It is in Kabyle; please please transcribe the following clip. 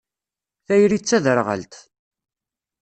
Tayri d taderɣalt.